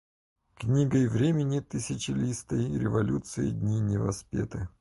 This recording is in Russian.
Книгой времени тысячелистой революции дни не воспеты.